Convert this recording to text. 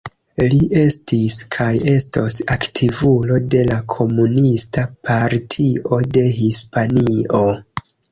Li estis kaj estos aktivulo de la Komunista Partio de Hispanio.